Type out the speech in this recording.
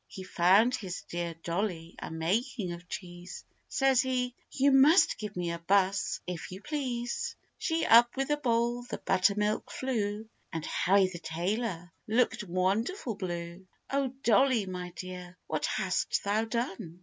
He found his dear Dolly a making of cheese, Says he, 'You must give me a buss, if you please!' She up with the bowl, the butter milk flew, And Harry the tailor looked wonderful blue. 'O, Dolly, my dear, what hast thou done?